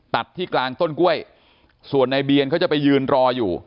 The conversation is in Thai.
ตัดที่กลางต้นกล้วยส่วนในเบียนเขาจะไปยืนรออยู่